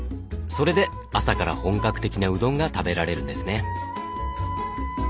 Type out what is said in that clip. それで朝から本格的なうどんが食べられるんですね。